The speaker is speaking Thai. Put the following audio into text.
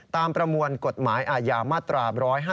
ประมวลกฎหมายอาญามาตรา๑๕